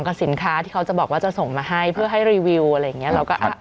คุณแม่คุณแม่ลูกกี่คน